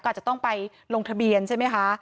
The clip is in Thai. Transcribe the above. ก็อาจจะต้องไปลงทะเบียนใช่ไหมคะ